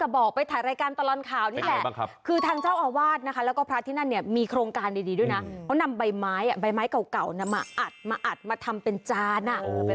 บายไม้ก่าวอาจมาอัดมาทำจาน